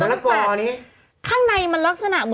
โอเคโอเคโอเค